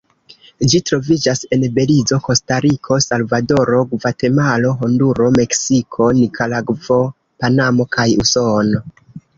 Ĝi troviĝas en Belizo, Kostariko, Salvadoro, Gvatemalo, Honduro, Meksiko, Nikaragvo, Panamo kaj Usono.